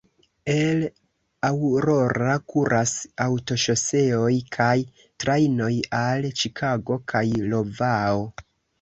El Aurora kuras aŭtoŝoseoj kaj trajnoj al Ĉikago kaj Iovao.